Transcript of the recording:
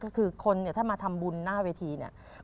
ก็คือคนเนี่ยถ้ามาทำบุญหน้าเวทีเนี่ย